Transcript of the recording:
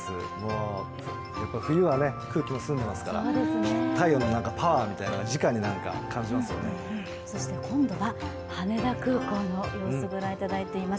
やっぱり冬は空気も澄んでいますから、太陽のパワーみたいなものを今度は羽田空港の様子をご覧いただいています。